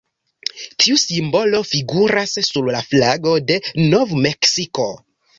Tiu simbolo figuras sur la flago de Nov-Meksiko.